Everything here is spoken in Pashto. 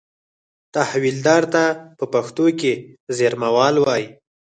تحویلدار ته په پښتو کې زېرمهوال وایي.